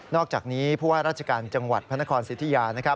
นอกจากนี้ราชการจังหวัดพนครสิทธิยา